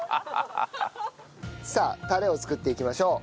さあタレを作っていきましょう。